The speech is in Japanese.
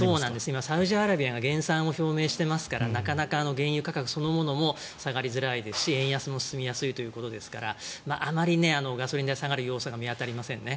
今、サウジアラビアが減産を表明していますからなかなか原油価格そのものも下がりづらいですし円安も進みやすいということですからあまりガソリン代が下がる要素が見当たりませんね。